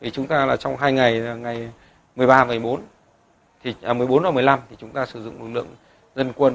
chúng ta trong hai ngày ngày một mươi bốn và một mươi năm chúng ta sử dụng lực lượng dân quân